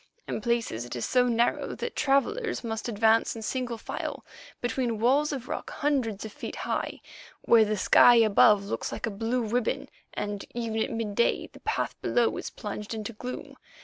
In places it is so narrow that travellers must advance in single file between walls of rock hundreds of feet high, where the sky above looks like a blue ribbon, and even at midday the path below is plunged in gloom.